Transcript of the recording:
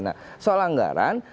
nah soal anggaran